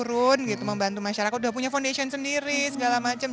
turun gitu membantu masyarakat udah punya foundation sendiri segala macam